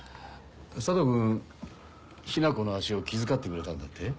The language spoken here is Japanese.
佐藤君ヒナコの足を気遣ってくれたんだって？